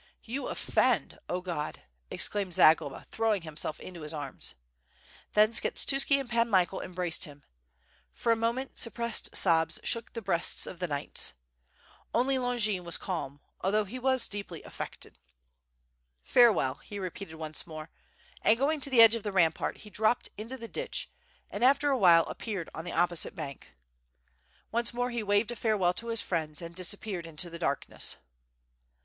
"You offend! 0 God!" exclaimed Zagloba, throwing him self into his arms. Then Skshetuski and Pan Michael embraced him. For a moment suppressed sobs shook the breasts of the knights. Only Longiiv was calm although he was deeply affected. "Farewell," he repeated once more, and going to the edge of the rampart, he dropped into the ditch and after awhile appeared on the opposite bank. Once more he waved a fare well to his friends, and disappeared into the darkness.